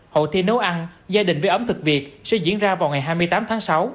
hội thi nấu ăn gia đình với ẩm thực việt sẽ diễn ra vào ngày hai mươi tám tháng sáu